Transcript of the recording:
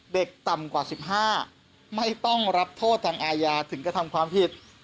ต่ำกว่า๑๕ไม่ต้องรับโทษทางอาญาถึงกระทำความผิด